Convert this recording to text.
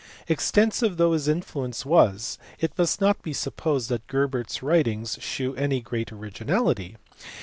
Extensive though his influence was, it must not be supposed that Gerbert s writings shew any great originality.